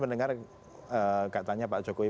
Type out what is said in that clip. mendengar katanya pak jokowi